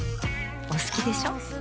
お好きでしょ。